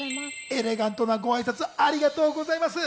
エレガントなごあいさつ、ありがとうございます。